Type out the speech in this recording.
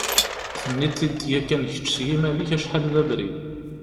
Tenniḍ-t-id yakan kečč s yiman-ik acḥal d abrid.